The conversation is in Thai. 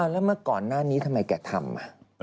แล้วเมื่อก่อนหน้านี้ทำไมแกทำ